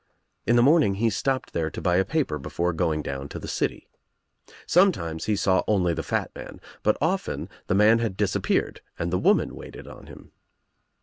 In the morning be stopped there to buy a paper before going down to the city. Some times he saw only the fat man, but often the man had disappeared and the woman waited on him.